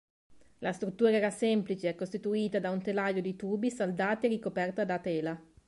La struttura era semplice, costituita da un telaio di tubi saldati ricoperta da tela.